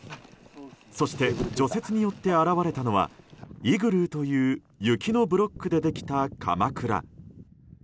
そして除雪によって現れたのはイグルーという雪のブロックでできたかまくら。